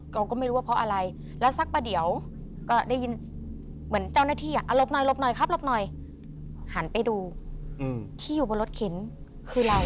เราก็ไม่รู้ว่าเพราะอะไรแล้วสักประเดี๋ยวก็ได้ยินเหมือนเจ้าหน้าที่อ่ะหลบหน่อยหลบหน่อยครับหลบหน่อยหันไปดูที่อยู่บนรถเข็นคือเรา